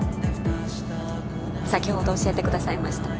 先ほど教えてくださいました